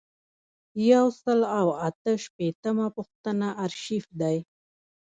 یو سل او اته شپیتمه پوښتنه آرشیف دی.